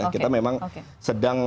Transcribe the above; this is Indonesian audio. kita memang sedang